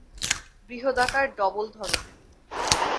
বৃহদাকার ডবল ধরনের।